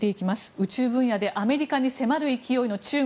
宇宙分野でアメリカに迫る勢いの中国。